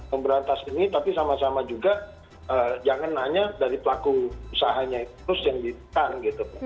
pemberantasan ini tapi sama sama juga jangan hanya dari pelaku usahanya itu yang ditang gitu